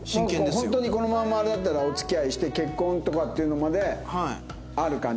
ホントにこのままあれだったらお付き合いして結婚とかっていうのまである感じ？